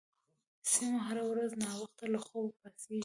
سمیع هره ورځ ناوخته له خوبه پاڅیږي